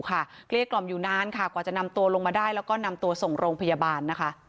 เกลี้ยกล่อมอยู่นานค่ะกว่าจะนำตัวลงมาได้แล้วก็นำตัวส่งโรงพยาบาลนะคะ